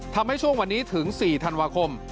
ทำให้ช่วงวันนี้ถึง๔ธันวาคม